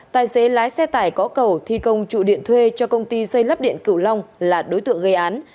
tài xế lái xe tải có cầu thi công trụ điện thuê cho công ty xây lắp điện cửu long là đối tượng gây án